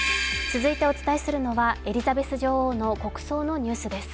続いてお伝えするのは、エリザベス女王の国葬のニュースです。